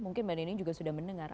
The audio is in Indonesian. mungkin mbak nining juga sudah mendengar